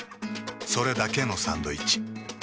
それだけのサンドイッチ。